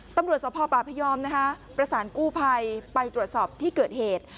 ตำรวจสภป่าพยอมนะคะประสานกู้ภัยไปตรวจสอบที่เกิดเหตุ